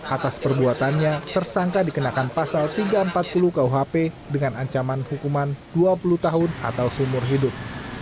atas perbuatannya tersangka dikenakan pasal tiga ratus empat puluh kuhp dengan ancaman hukuman dua puluh tahun atau sumur hidup